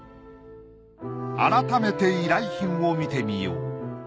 改めて依頼品を見てみよう。